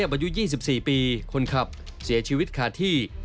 อายุ๒๔ปีคนขับเสียชีวิตขาดที่